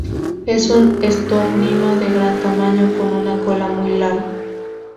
Es un estornino de gran tamaño con una cola muy larga.